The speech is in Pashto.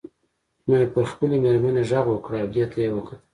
نو یې پر خپلې میرمنې غږ وکړ او دې ته یې وکتل.